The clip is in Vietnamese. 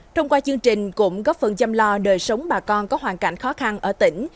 thông qua chương trình cũng góp phần chăm lo đời sống bà con có hoàn cảnh khó khăn ở tỉnh